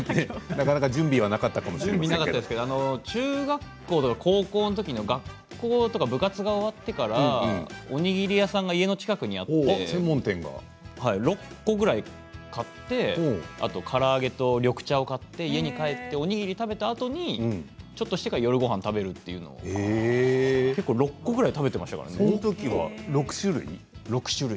準備はなかったですけれども中学校高校のときの学校とか部活が終わってからおにぎり屋さんが家の近くにあって６個ぐらい買ってから揚げと緑茶を買って家に帰って、おにぎりを食べたあとにちょっとしてから夜ごはんを食べるというのも結構６個ぐらい食べていました。